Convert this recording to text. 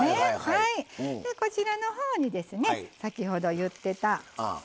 こちらのほうにですね先ほど言ってた。